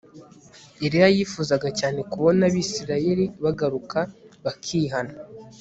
Eliya yifuzaga cyane kubona Abisirayeli bagaruka bakihana